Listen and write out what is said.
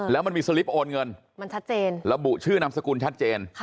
แล้วมันมีสลิปโอนเงินและบุชื่อนามสกุลชัดเจน